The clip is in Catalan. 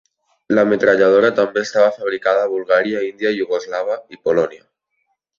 La metralladora també estava fabricada a Bulgària, India, Iugoslava i Polònia.